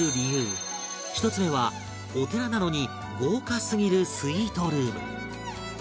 １つ目はお寺なのに豪華すぎるスイートルーム